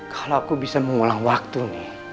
kalau aku bisa mengulang waktu nih